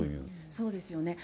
そうですよね。